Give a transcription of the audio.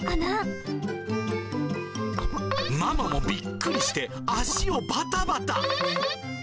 ママもびっくりして足をばたばた。